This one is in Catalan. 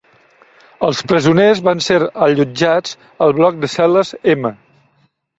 Els presoners van ser allotjats al bloc de cel·les M.